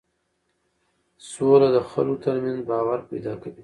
سوله د خلکو ترمنځ باور پیدا کوي